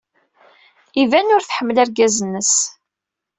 Iban ur tḥemmel argaz-nnes.